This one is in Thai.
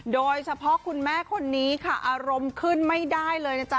โดยเฉพาะคุณแม่คนนี้ค่ะอารมณ์ขึ้นไม่ได้เลยนะจ๊